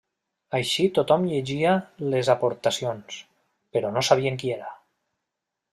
Així tothom llegia les aportacions, però no sabien qui era.